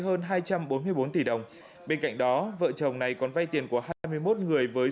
hơn hai trăm bốn mươi bốn tỷ đồng bên cạnh đó vợ chồng này còn vay tiền của hai mươi một người với